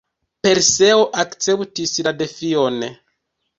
Perseo akceptis la defion.